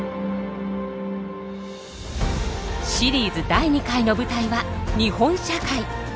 シリーズ第２回の舞台は日本社会。